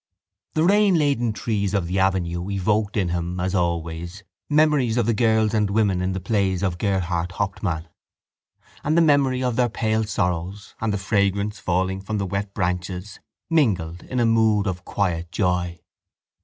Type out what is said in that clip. The rainladen trees of the avenue evoked in him, as always, memories of the girls and women in the plays of Gerhart Hauptmann; and the memory of their pale sorrows and the fragrance falling from the wet branches mingled in a mood of quiet joy.